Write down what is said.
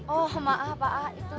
oh maaf pak a itu